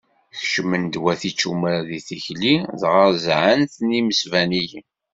Kecmen-d wat icumar deg tikli, dɣa ẓẓɛen-ten yimesbaniyen.